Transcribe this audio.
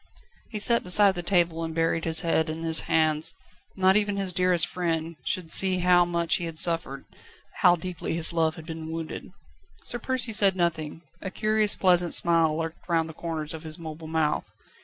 He sat beside the table, and buried his head in his hands. Not even his dearest friend should see how much he had suffered, how deeply his love had been wounded. Sir Percy said nothing, a curious, pleasant smile lurked round the corners of his mobile mouth.